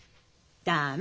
駄目。